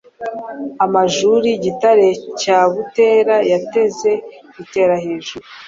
Amajuri ;Gitare cya Butera yateze itera hejuru,